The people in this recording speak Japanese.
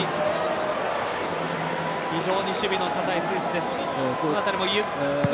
非常に守備の堅いスイスです。